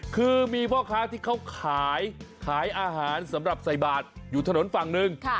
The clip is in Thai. คือมีพ่อค้าที่เขาขายขายอาหารสำหรับใส่บาทอยู่ถนนฝั่งหนึ่ง